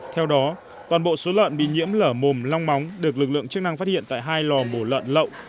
theo đó toàn bộ số lợn bị nhiễm lở mồm long móng được lực lượng chức năng phát hiện tại hai lò mổ lợn